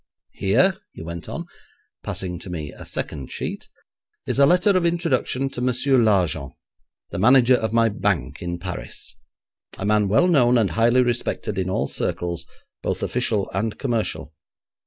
Here,' he went on, passing to me a second sheet, 'is a letter of introduction to Monsieur Largent, the manager of my bank in Paris, a man well known and highly respected in all circles, both official and commercial.